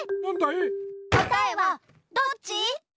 こたえはどっち？